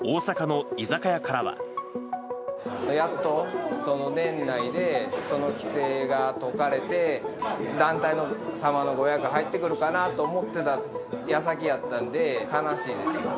やっと、年内で規制が解かれて、団体様のご予約が入ってくるかなと思ってたやさきやったんで、悲しいです。